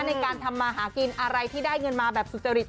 ในการทำมาหากินอะไรที่ได้เงินมาแบบสุจริต